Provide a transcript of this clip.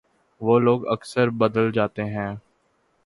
وہ لوگ اکثر بدل جاتے ہیں